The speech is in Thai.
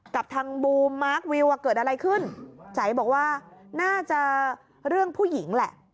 กับทางบูมมาร์ควิวเกิดอะไรขึ้นใจบอกว่าน่าจะเรื่องผู้หญิงแหละ